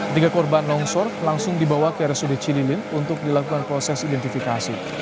tiga korban longsor langsung dibawa ke rsud cililin untuk dilakukan proses identifikasi